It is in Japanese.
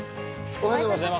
おはようございます。